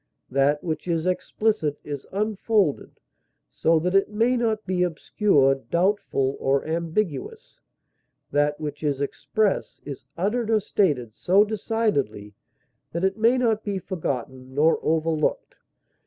That which is explicit is unfolded, so that it may not be obscure, doubtful, or ambiguous; that which is express is uttered or stated so decidedly that it may not be forgotten nor overlooked.